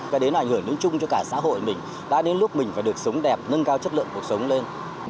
cái đấy là ảnh hưởng đến chung cho cả xã hội mình đã đến lúc mình phải được sống đẹp nâng cao chất lượng cuộc sống lên